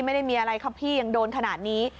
ไม่ได้มีอะไรครับพี่ยังโดนขนาดนี้